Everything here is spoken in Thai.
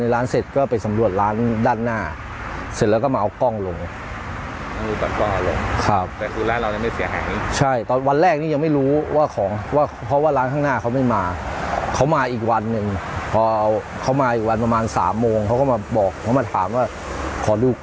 เราก็เลยเอาคลิปให้เขาดู